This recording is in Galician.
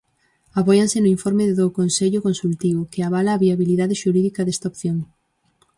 Apóianse no informe do Consello Consultivo, que avala a viabilidade xurídica desta opción.